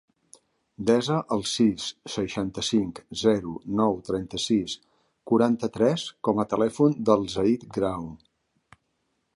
Desa el sis, seixanta-cinc, zero, nou, trenta-sis, quaranta-tres com a telèfon del Zaid Grao.